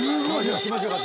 気持ち良かった。